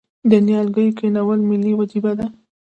د نیالګیو کینول ملي وجیبه ده؟